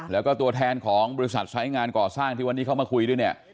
แล้วก็ตัวแทนของบริษัทไซส์งานก่อสร้างที่วันนี้เข้ามาคุยด้วยเนี่ย